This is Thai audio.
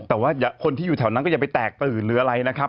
แต่ว่าคนที่อยู่แถวนั้นก็อย่าไปแตกตื่นหรืออะไรนะครับ